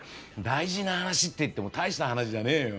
大事な話っていっても大した話じゃねえよ。